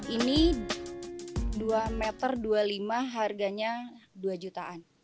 ini dua meter dua puluh lima harganya dua jutaan